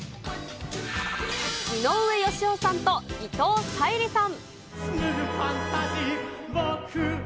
井上芳雄さんと伊藤沙莉さん。